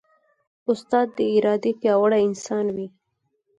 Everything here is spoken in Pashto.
استاد د ارادې پیاوړی انسان وي.